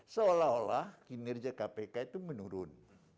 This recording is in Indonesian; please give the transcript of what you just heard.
seolah olah kinerja kpk itu menurun